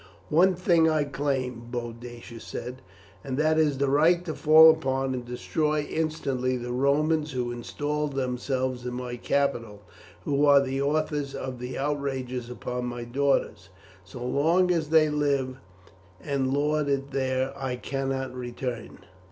"One thing I claim," Boadicea said, "and that is the right to fall upon and destroy instantly the Romans who installed themselves in my capital, and who are the authors of the outrages upon my daughters. So long as they live and lord it there I cannot return."